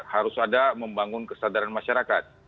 harus ada membangun kesadaran masyarakat